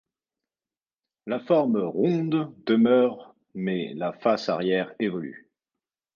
La forme ronde demeure, mais la face arrière évolue.